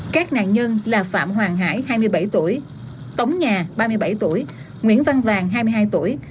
các nạn nhân là phạm hoàng hải hai mươi bảy tuổi tống nhà ba mươi bảy tuổi nguyễn văn vàng hai mươi hai tuổi